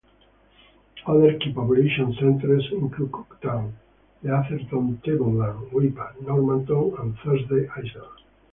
Other key population centres include Cooktown, the Atherton Tableland, Weipa, Normanton, and Thursday Island.